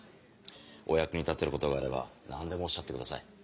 お役に立てることがあれば何でもおっしゃってください。